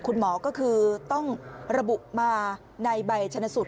คุณหมอก็คือต้องระบุมาในใบชนสูตร